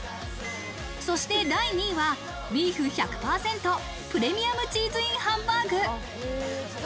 そして第２位は、ビーフ１００％プレミアムチーズＩＮハンバーグ。